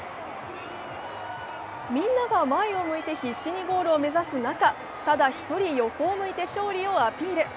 みんなが前を向いて必死にゴールを目指す中、ただ１人、横を向いて勝利をアピール。